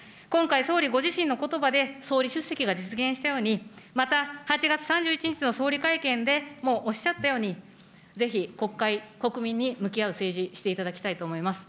今回、総理ご自身のことばで総理出席が実現したように、また、８月３１日の総理会見でもおっしゃったように、ぜひ国会、国民に向き合う政治、していただきたいと思います。